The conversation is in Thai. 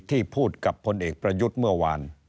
ที่พูดกับพลเอกประยุทธ์เมื่อวาน